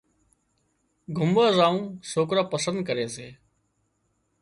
گھمووا زاوون سوڪران پسندي ڪري سي